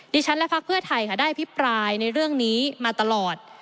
ดิฉันและพักเพื่อไทยค่ะได้พิปรายในเรื่องนี้มาตลอด